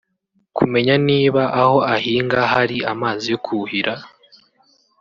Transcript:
kumenya niba aho ahinga hari amazi yo kuhira